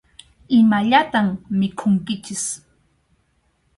Imallatam mikhunkichik.